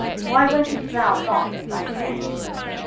why wentest thou not with thy friend?